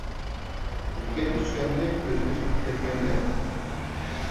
يىگەن ئىچكەننى كۆز كۆز قىپ كەتمەيلى ،